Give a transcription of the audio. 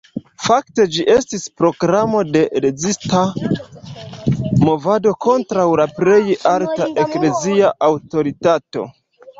Fakte ĝi estis proklamo de rezista movado kontraŭ la plej alta eklezia aŭtoritato.